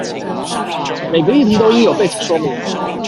每個議題都應有背景說明